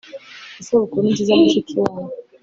isabukuru nziza, mushikiwabo